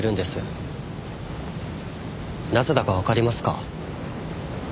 なぜだかわかりますか？